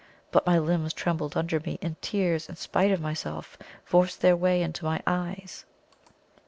But my limbs trembled under me, and tears, in spite of myself, forced their way into my eyes.